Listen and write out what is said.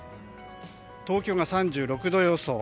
東京が３６度予想。